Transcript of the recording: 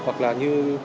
hoặc là như